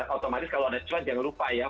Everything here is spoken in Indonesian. otomatis kalau ada cuan jangan lupa ya